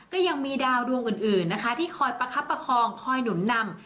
ก็ยังมีดาวดวงอื่นนะคะที่คอยประคับประคองคอยหนุนนำ